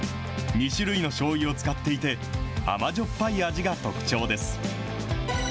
２種類のしょうゆを使っていて、甘じょっぱい味が特徴です。